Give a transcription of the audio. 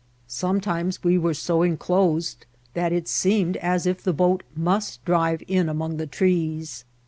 Sometimes we were so enclosed that it seemed as if the boat mi^st drive in among the trees.